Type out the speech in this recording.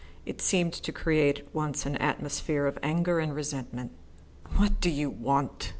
It seemed to create at once an atmosphere of anger and resentment. "What do you want?"